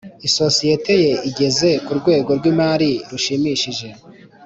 Isosiyete ye igeze ku rwego rw’imari rushimishije